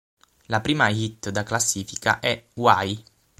La prima hit da classifica è "Why".